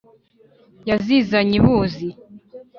yazinyaze i buzi